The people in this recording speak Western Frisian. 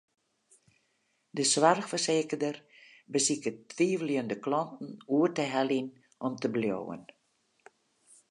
De soarchfersekerder besiket twiveljende klanten oer te heljen om te bliuwen.